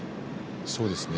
そうですね。